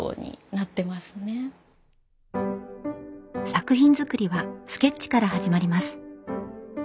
作品作りはスケッチから始まります。